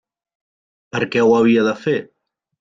Per què ho havia de fer?